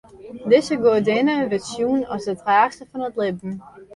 Dizze goadinne wurdt sjoen as de draachster fan it libben.